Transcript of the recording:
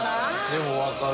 でも分かる。